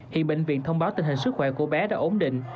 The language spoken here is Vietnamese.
hiện bệnh viện thông báo tình hình sức khỏe của bé đã ổn định